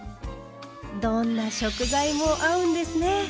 どんな食材も合うんですね。